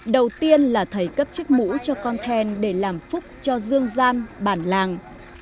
đầu tiên là thầy cấp chiếc mũ cho con then để làm phúc cho dương gian bản làng